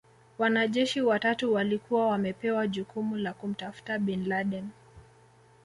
Wanajeshi watatu walikuwa wamepewa jukumu la kumtafuta Bin Laden